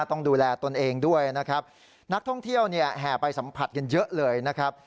ต้องดูแลตนเองด้วยนะครับนักท่องเที่ยวเนี่ยแห่ไปสัมผัสกันเยอะเลยนะครับ